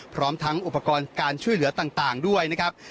พร้อมทั้งอุปกรณ์การช่วยเหลือต่างด้วยนะครับ